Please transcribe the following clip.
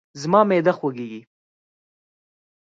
زما معده خوږیږي